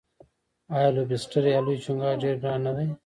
آیا لوبسټر یا لوی چنګاښ ډیر ګران نه دی؟